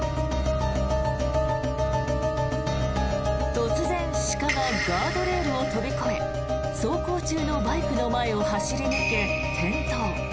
突然、鹿がガードレールを跳び越え走行中のバイクの前を走り抜け転倒。